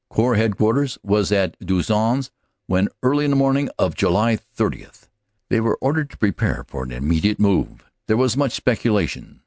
Corps Headquarters was at Duisans when early in the morning of July 30 they were ordered to prepare for an immediate move. There was much speculation.